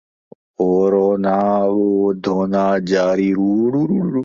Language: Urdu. اوررونا دھونا جاری رہتاہے تو رہے۔